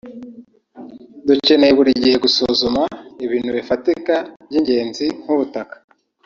dukeneye buri gihe gusuzuma ibintu bifatika by’ingenzi nk’ubutaka